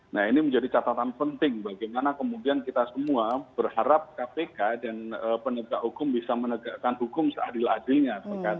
nah ini menjadi catatan penting bagaimana kemudian kita semua berharap kpk dan penegak hukum bisa menegakkan hukum seadil adilnya